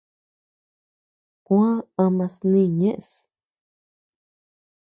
Kuá ama snï ñeʼes.